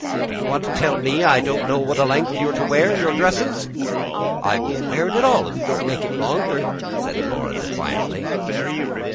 Do you want to tell me I don't know what length you're to wear your dresses?" "I won't wear it at all if you don't make it longer," said Laura defiantly.